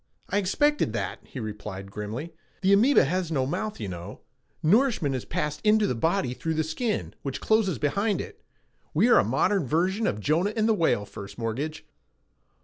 "I expected that," he replied grimly. "The amoeba has no mouth, you know. Nourishment is passed into the body through the skin, which closes behind it. We are a modern version of Jonah and the whale, First Mortgage."